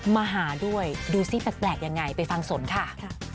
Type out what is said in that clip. มาหาด้วยดูสิแปลกยังไงไปฟังสนค่ะ